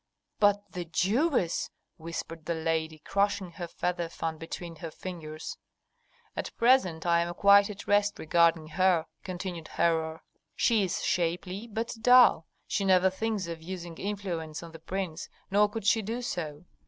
"But the Jewess!" whispered the lady, crushing her feather fan between her fingers. "At present I am quite at rest regarding her," continued Herhor. "She is shapely, but dull; she never thinks of using influence on the prince, nor could she do so.